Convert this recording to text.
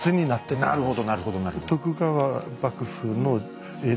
なるほど。